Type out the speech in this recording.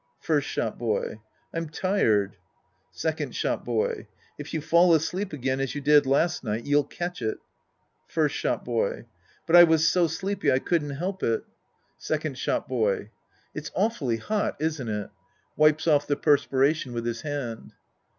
First Shop boy. I'm tired. Second Shop boy. If you fall asleep again as you did last night, you'll catch it. First Shop boy. But I was so sleepy I couldn't help it, Act II The Priest and His Discioles 69 Second Shop boy. It's awfully hot, isn't it ? {Wipes off the perspiration with his hand.)